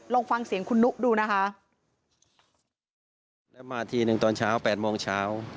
ลองฟังเสียงคุณนุดูนะคะแล้วมาทีหนึ่งตอนเช้าแปดโมงเช้า